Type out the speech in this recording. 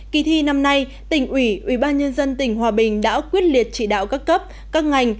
kỳ thi năm nay tỉnh ủy ubnd tỉnh hòa bình đã quyết liệt chỉ đạo các cấp các ngành